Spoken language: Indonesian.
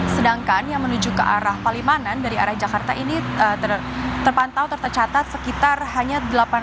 sedangkan yang menuju ke arah palimanan dari arah jakarta ini terpantau tertecatat sekitar hanya delapan